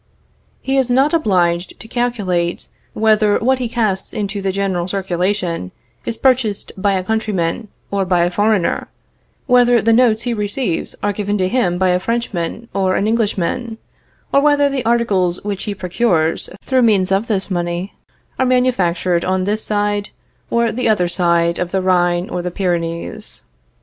He is not obliged to calculate whether what he casts into this general circulation is purchased by a countryman or by a foreigner; whether the notes he receives are given to him by a Frenchman or an Englishman, or whether the articles which he procures through means of this money are manufactured on this or the other side of the Rhine or the Pyrenees.